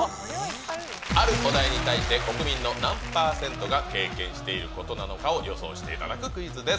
あるお題に対して、国民の何％が経験していることなのかを予想していただくクイズです。